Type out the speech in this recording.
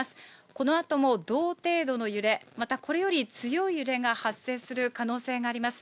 このあとも同程度の揺れ、また、これより強い揺れが発生する可能性があります。